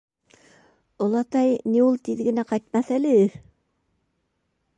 - Олатай ни ул тиҙ генә ҡайтмаҫ әле.